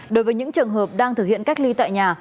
đối với những trường hợp đang thực hiện cách ly tại nhà